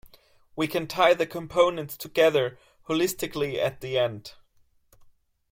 We can tie the components together holistically at the end.